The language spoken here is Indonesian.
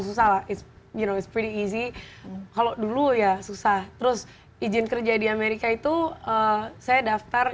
susah lah it's you know it's pretty easy kalau dulu ya susah terus izin kerja di amerika itu saya daftar